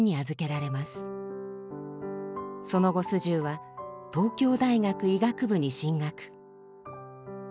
その後素十は東京大学医学部に進学。